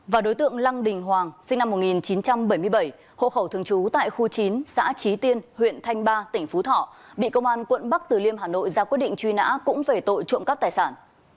và đối tượng lăng đình hoàng sinh năm một nghìn chín trăm bảy mươi bảy hộ khẩu thường trú tại khu chín xã trí tiên huyện thanh ba tỉnh phú thọ bị công an quận bắc từ liêm hà nội ra quyết định truy nã cũng về tội trộm cắp tài sản